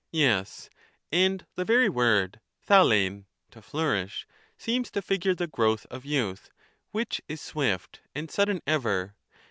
Yes ; and the very word BdXkuv (to flourish) seems to figure the growth of youth, which is swift and sudden ever.